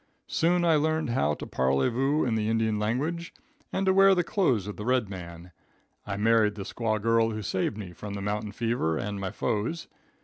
Soon I learned how to parley vous in the Indian language, and to wear the clothes of the red man. I married the squaw girl who saved me from the mountain fever and my foes.